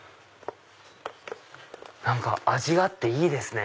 何か味があっていいですね。